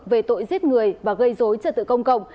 về tội giết người và gây dối trật tự công cộng